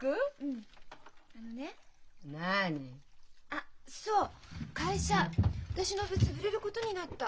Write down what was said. あっそう会社私の部潰れることになった。